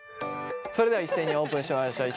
それでは一斉にオープンしましょう。